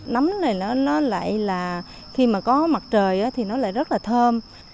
nấm này nó lại là khi mà có mặt trời thì nó lại rất là thơm